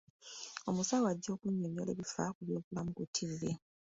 Omusawo ajja kunyonnyola ebifa ku byobulamu ku ttivvi.